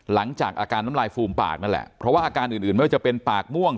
หลังจากอาการน้ำลายฟูมปากนั่นแหละเพราะว่าอาการอื่นไม่ว่าจะเป็นปากม่วง